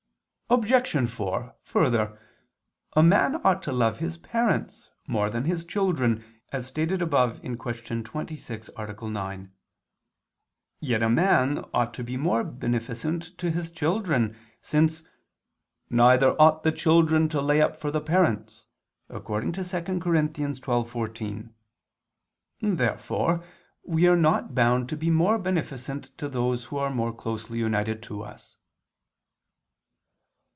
Obj. 4: Further, a man ought to love his parents more than his children, as stated above (Q. 26, A. 9). Yet a man ought to be more beneficent to his children, since "neither ought the children to lay up for the parents," according to 2 Cor. 12:14. Therefore we are not bound to be more beneficent to those who are more closely united to us.